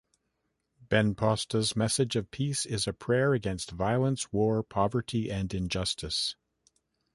Benposta's message of peace is a prayer against violence, war, poverty, and injustice.